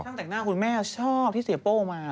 แต่งหน้าคุณแม่ชอบที่เสียโป้มา